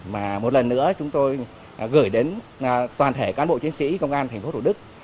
mà một lần nữa chúng tôi gửi đến toàn thể cán bộ chiến sĩ công an thành phố thủ đức